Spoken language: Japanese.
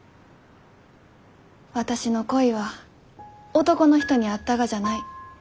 私の恋は男の人にあったがじゃない。